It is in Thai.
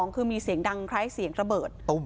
คือมีเสียงดังคล้ายเสียงระเบิด